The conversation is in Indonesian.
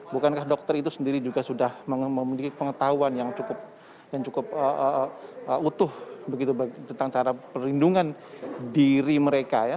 bukankah dokter itu sendiri juga sudah memiliki pengetahuan yang cukup utuh tentang cara perlindungan diri mereka ya